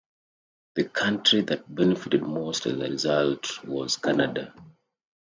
The country that benefitted most as a result was Canada.